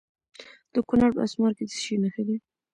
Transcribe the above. د کونړ په اسمار کې د څه شي نښې دي؟